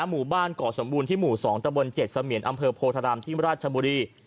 หมู่บ้านก่อสมบูรณที่หมู่๒ตะบน๗เสมียนอำเภอโพธารามที่มราชบุรี